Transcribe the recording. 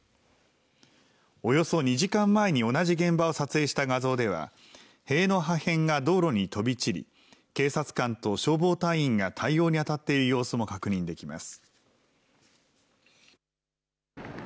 およそ２時間前に同じ現場を撮影した画像では塀の破片が道路に飛び散り警察官と消防隊員が対応にあたっている様子も確認できます。